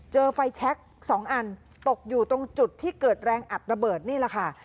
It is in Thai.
เจอไฟแชค๒อันตกอยู่ตรงจุดที่เกิดแรงอัดระเบิดนี่แหละค่ะ